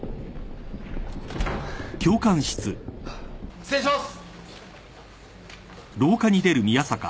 失礼します。